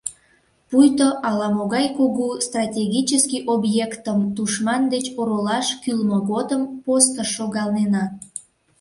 Пуйто ала-могай кугу стратегический объектым тушман деч оролаш кӱлмӧ годым постыш шогалнена…